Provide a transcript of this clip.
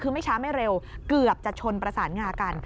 คือไม่ช้าไม่เร็วเกือบจะชนประสานงากัน